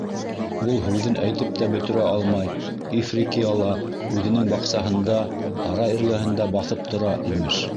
Ул һүҙен әйтеп тә бөтөрә алмай, Ифрикияла үҙенең баҡсаһында, һарай эргәһендә баҫып тора, имеш.